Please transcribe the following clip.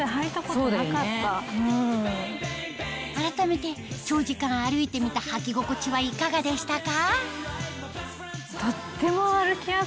改めて長時間歩いてみたはき心地はいかがでしたか？